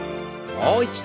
もう一度。